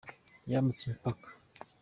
yambutse imipaka.